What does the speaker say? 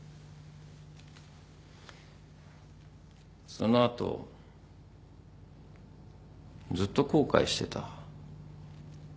その後ずっと後悔してた。